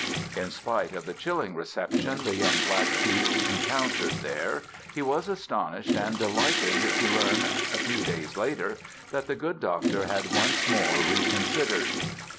In spite of the chilling reception the young black sheep encountered there he was astonished and delighted to learn a few days later that the good doctor had once more reconsidered.